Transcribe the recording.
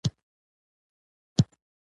عبارت د جملې ښکلا زیاتوي.